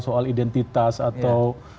soal identitas atau